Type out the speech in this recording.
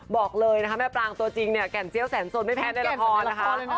บอกเลยนะคะแม่ปรางตัวจริงเนี่ยแก่นเจี้ยแสนสนไม่แพ้ในละครนะคะ